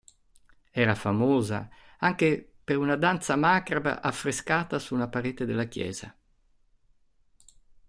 Era famosa anche una danza macabra affrescata su una parete della chiesa.